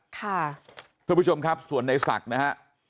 ท่านผู้ชมครับส่วนในศักดิ์นะฮะ